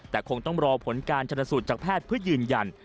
แต่คงต้องรอผลการชนสูตรจากแพทย์เพื่อยืนยัน